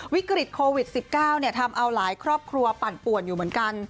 วิกฤตโควิด๑๙ทำเอาหลายครอบครัวปั่นป่วนอยู่เหมือนกัน